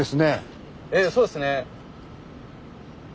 ええそうですね。